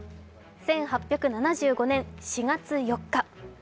１８７５年４月４日。